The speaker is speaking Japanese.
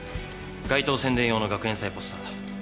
街頭宣伝用の学園祭ポスターだ。